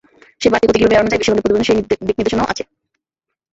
সেই বাড়তি ক্ষতি কীভাবে এড়ানো যায়, বিশ্বব্যাংকের প্রতিবেদনে সেই দিকনির্দেশনাও আছে।